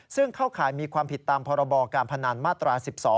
ซึ่งเข้าข่ายมีความผิดตามพรบการพนันมาตรา๑๒